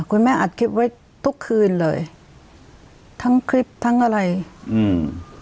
อัดคลิปไว้ทุกคืนเลยทั้งคลิปทั้งอะไรอืม